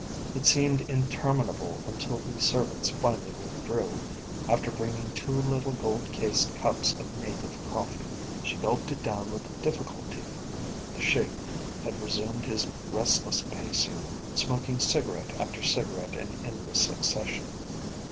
It seemed interminable until the servants finally withdrew, after bringing two little gold cased cups of native coffee. She gulped it down with difficulty. The Sheik had resumed his restless pacing, smoking cigarette after cigarette in endless succession.